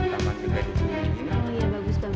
sebelah sana juga bisa digunakan